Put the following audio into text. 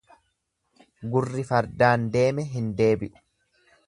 Gurri fardaan deeme hin deebi'u.